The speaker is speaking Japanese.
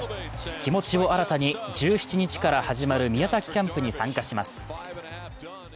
気持ちを新たに、１７日から始まる宮崎キャンプに参加します。